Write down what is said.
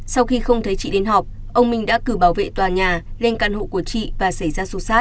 sau khi không thấy chị đến họp ông minh đã cử bảo vệ tòa nhà lên căn hộ của chị và xảy ra sù sát